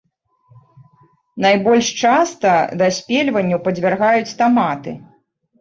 Найбольш часта даспельванню падвяргаюць таматы.